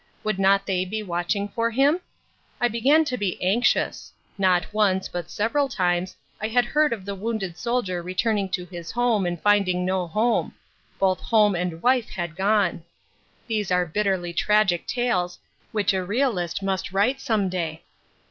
Would not they be watching for him? I began to be anxious. Not once, but several times, I had heard of the wounded soldier returning to his home and finding no home: both home and wife had gone. (Those are bitterly tragic tales, which a realist must write some day.)